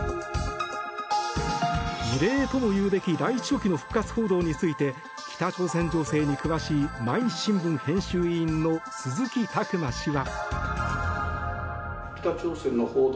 異例ともいうべき第１書記の復活報道について北朝鮮情勢に詳しい毎日新聞編集委員の鈴木琢磨氏は。